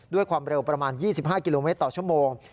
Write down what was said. ด้วยความเร็วประมาณ๒๕กิโลเมตรต่อชั่วโมง